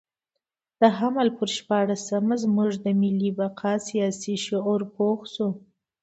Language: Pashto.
د حمل پر شپاړلسمه زموږ د ملي بقا سیاسي شعور پوخ شو.